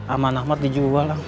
amanah mart dijual ang